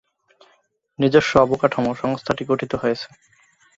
নিজস্ব অবকাঠামো সংস্থাটি গঠিত হয়েছে।